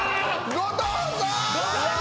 後藤さん！